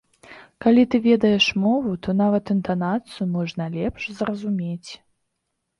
Калі ты ведаеш мову, то нават інтанацыю можна лепш зразумець.